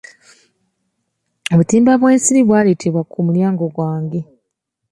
Obutimba bw'ensiri bwaletebwa ku mulyango gwange.